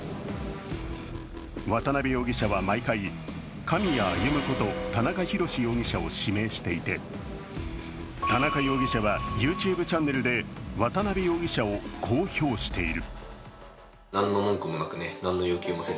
渡邊容疑者は毎回、狼谷歩こと田中裕志容疑者を指名していて田中容疑者は、ＹｏｕＴｕｂｅチャンネルで渡邊容疑者をこう評している。